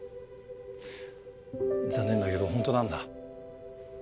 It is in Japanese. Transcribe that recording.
残念だけど本当なんだ。